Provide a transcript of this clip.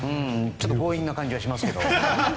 ちょっと強引な感じがしますけど。